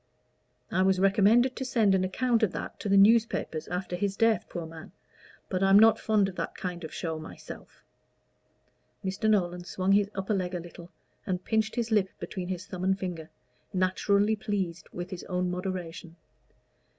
I was recommended to send an account of that to the newspapers after his death, poor man! but I'm not fond of that kind of show myself." Mr. Nolan swung his upper leg a little, and pinched his lip between his thumb and finger, naturally pleased with his own moderation.